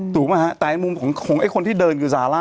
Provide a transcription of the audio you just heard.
ถูกปะฮะแต่มุมของไอคนที่เดิน